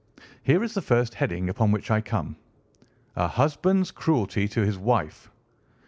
Here is the first heading upon which I come. 'A husband's cruelty to his wife.